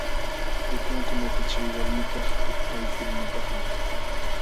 Pukunkunata chay walmikaq pukpaykulmi paqan.